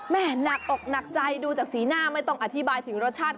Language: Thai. หนักอกหนักใจดูจากสีหน้าไม่ต้องอธิบายถึงรสชาติ